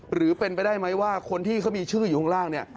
หรือเป็นไปได้ไหมว่าคนที่เขามีชื่ออยู่ข้างล่างเนี่ย